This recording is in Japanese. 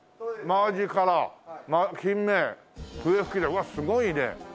うわっすごいね。